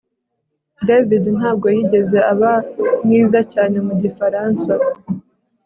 David ntabwo yigeze aba mwiza cyane mu gifaransa